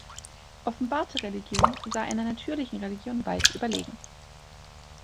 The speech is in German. Offenbarte Religion sei einer natürlichen Religion weit überlegen.